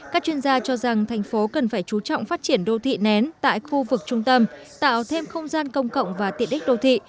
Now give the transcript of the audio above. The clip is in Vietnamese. các chuyên gia cho rằng thành phố cần phải chú trọng phát triển đô thị nén tại khu vực trung tâm tạo thêm không gian công cộng và tiện đích đô thị